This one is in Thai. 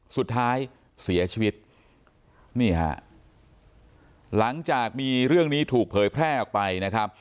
สุดท้ายเสียชีวิตนี่ฮะหลังจากมีเรื่องนี้ถูกเผยแพร่ออกไปนะครับ